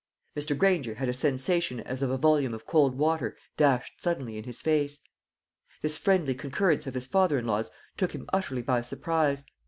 Mr. Granger had a sensation as of a volume of cold water dashed suddenly in his face. This friendly concurrence of his father in law's took him utterly by surprise.